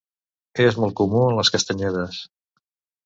És molt comú en les castanyedes.